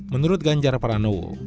menurut ganjar paranowo